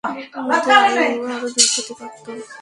উনাদের আয়ু আরো দীর্ঘ হতে পারতো।